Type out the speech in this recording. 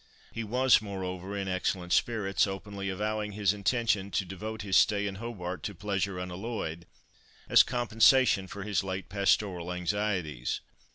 He was, moreover, in excellent spirits, openly avowing his intention to devote his stay in Hobart to pleasure unalloyed, as compensation for his late pastoral anxieties.